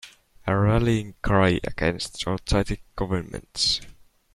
A rallying cry against shortsighted governments.